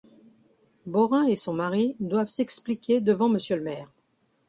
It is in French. Beaurain et son mari doivent s'expliquer devant monsieur le maire.